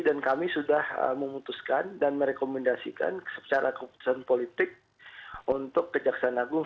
dan kami sudah memutuskan dan merekomendasikan secara keputusan politik untuk kejaksaan agung